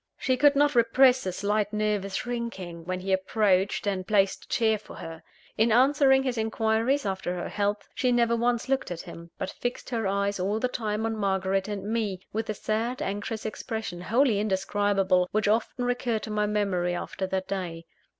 She could not repress a slight nervous shrinking, when he approached and placed a chair for her. In answering his inquiries after her health, she never once looked at him; but fixed her eyes all the time on Margaret and me, with a sad, anxious expression, wholly indescribable, which often recurred to my memory after that day.